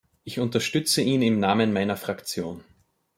Ich unterstütze ihn im Namen meiner Fraktion.